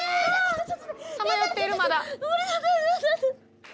さまよっているまだ。